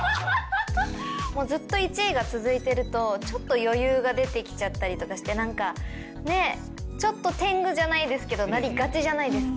ずっと１位が続いてるとちょっと余裕が出てきちゃったりとかしてなんかてんぐじゃないですけどなりがちじゃないですか。